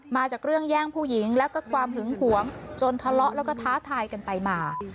มาจากเรื่องแย่งผู้หญิงแล้วก็ความหึงหวงจนทะเลาะแล้วก็ท้าทายกันไปมา